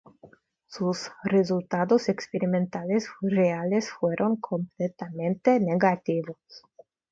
Sus resultados experimentales reales fueron completamente negativos.